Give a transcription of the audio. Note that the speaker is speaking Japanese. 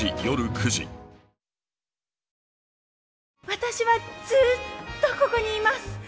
私はずっとここにいます。